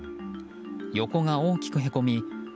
横が大きくへこみ